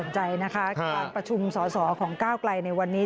ไม่ได้ให้เข้าไปรัฐบาลดี